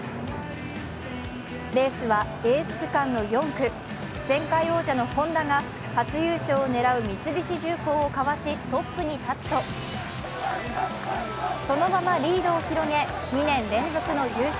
レースはエース区間の４区、前回王者のＨｏｎｄａが初優勝を狙う三菱重工をかわしトップに立つと、そのままリードを広げ２年連続の優勝。